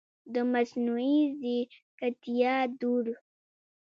د مصنوعي ځیرکتیا دور